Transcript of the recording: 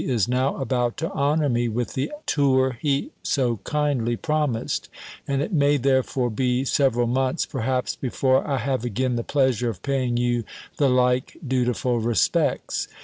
is now about to honour me with the tour he so kindly promised; and it may therefore be several months, perhaps, before I have again the pleasure of paying you the like dutiful respects.